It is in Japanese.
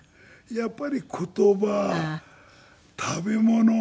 やっぱり言葉食べ物